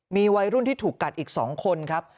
มีวัยรุ่นที่ถูกกัดอีก๒คนครับ